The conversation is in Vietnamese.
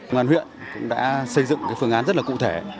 ngoàn huyện cũng đã xây dựng phương án rất là cụ thể